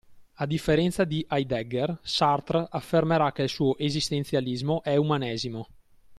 A differenza di Heidegger Sartre affermerà che il suo esistenzialismo è umanesimo